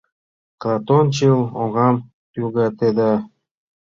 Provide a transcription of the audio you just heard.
Клатончыл оҥам тӱгатеда.